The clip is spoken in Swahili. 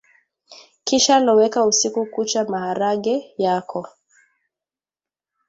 Kisha loweka usiku kucha maharage yako